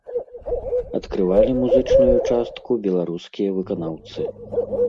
Адкрывалі музычную частку беларускія выканаўцы.